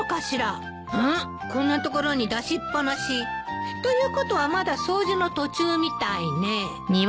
こんな所に出しっぱなし。ということはまだ掃除の途中みたいね。